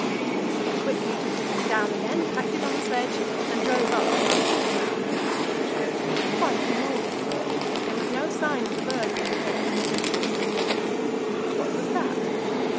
We quickly took the tent down again, packed it on the sledge, and drove up to our food mound, which proved to be quite in order. There was no sign of the birds having paid it a visit. But what was that?